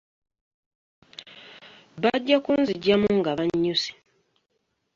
Bajja kuziggyamu nga bannyuse.